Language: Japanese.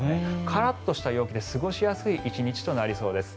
カラッとした陽気で過ごしやすい１日となりそうです。